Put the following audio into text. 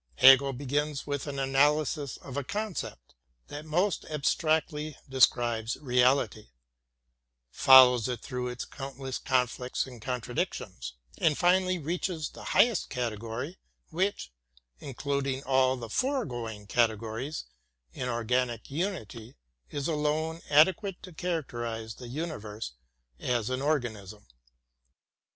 Hegel begins with an analysis of a concept that most abstractly describes reality, follows it through its countless conflicts and contradictions, and finally reaches the highest category which, including all the foregoing categories in organic unity, is alone adequate to characterize the universe as an organism.